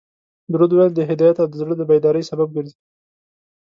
درود ویل د هدایت او د زړه د بیداري سبب ګرځي